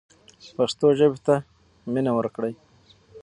پښتو ژبې ته مینه ورکړئ.